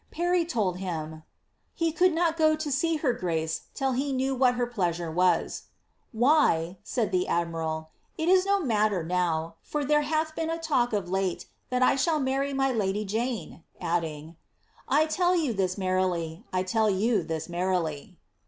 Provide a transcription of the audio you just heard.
^' Parry told him, ^ he could not go to see her grace till he knew what her plea sure was." *' Wliy," said the admiral, it is no matter now, for there hath been a talk of late that I shall marry my lady Jane P^ adding, ^ I teil you this nierrily — I tell you this merrily."